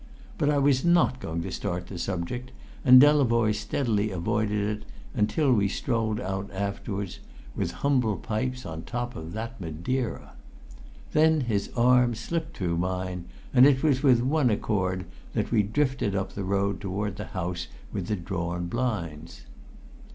But I was not going to start the subject; and Delavoye steadily avoided it until we strolled out afterward (with humble pipes on top of that Madeira!). Then his arm slipped through mine, and it was with one accord that we drifted up the road toward the house with the drawn blinds.